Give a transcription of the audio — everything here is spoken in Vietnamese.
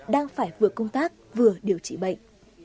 đang phải vừa công tác vừa điều trị bệnh